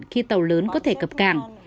khi tàu lớn có thể cập cảng